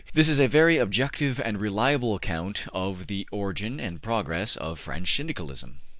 This is a very objective and reliable account of the origin and progress of French Syndicalism.